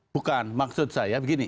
bukan maksud saya begini